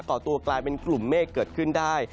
่อตัวกลายเป็นกลุ่มเมฆเกิดขึ้นได้